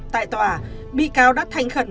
tại tòa bị cáo đã thành khẩn